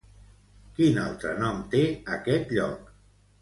Quin altre nom té aquest lloc?